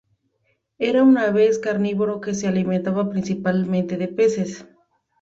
Era un pez carnívoro que se alimentaba principalmente de peces.